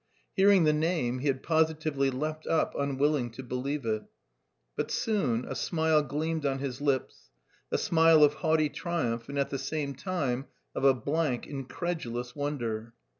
Hearing the name, he had positively leapt up, unwilling to believe it. But soon a smile gleamed on his lips a smile of haughty triumph and at the same time of a blank, incredulous wonder.